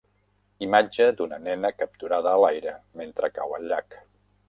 Imatge d'una nena capturada a l'aire mentre cau al llac.